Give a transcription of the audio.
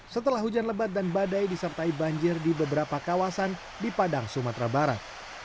setelah hujan lebat dan badai disertai banjir di beberapa kawasan di padang sumatera barat